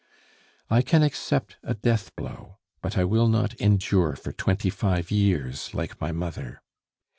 "I can accept a death blow, but I will not endure for twenty five years, like my mother.